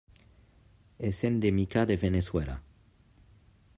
És endèmica de Veneçuela.